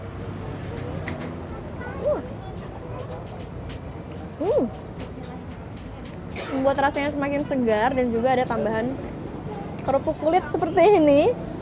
hmm membuat rasanya semakin segar dan juga ada tambahan kerupuk kulit seperti ini